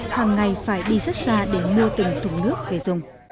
hàng ngày phải đi rất xa để mua từng thùng nước về dùng